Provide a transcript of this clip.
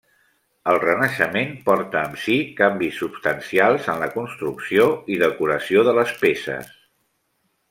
El renaixement porta amb si canvis substancials en la construcció i decoració de les peces.